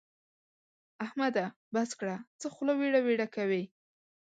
احمده! بس کړه؛ څه خوله ويړه ويړه کوې.